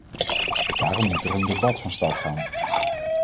Daarom moet er een debat van start gaan.